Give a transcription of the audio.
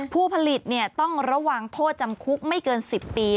ผู้ผลิตต้องระวังโทษจำคุกไม่เกิน๑๐ปี